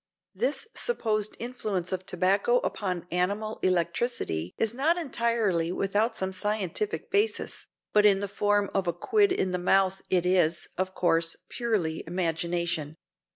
This supposed influence of tobacco upon animal electricity is not entirely without some scientific basis, but in the form of a quid in the mouth it is, of course, purely imagination.